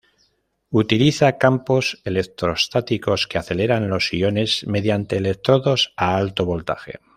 Utiliza campos electrostáticos que aceleran los iones mediante electrodos a alto voltaje.